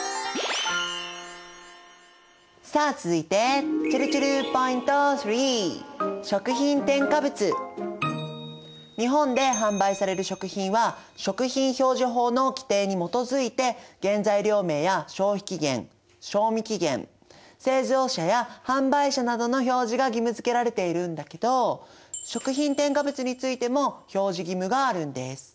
さあ続いてちぇるちぇるポイント３！日本で販売される食品は食品表示法の規定に基づいて原材料名や消費期限賞味期限製造者や販売者などの表示が義務づけられているんだけど食品添加物についても表示義務があるんです。